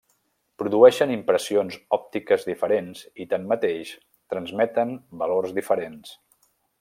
Produeixen impressions òptiques diferents i tanmateix, transmeten valors diferents.